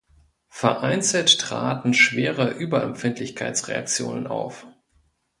Vereinzelt traten schwere Überempfindlichkeitsreaktionen auf.